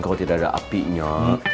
kalau tidak ada apinya